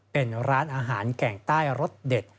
เป็นร้านอาหารแก่งใต้รสเด็ด